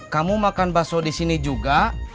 kamu makan bakso disini juga